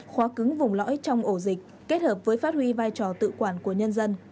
khóa cứng vùng lõi trong ổ dịch kết hợp với phát huy vai trò tự quản của nhân dân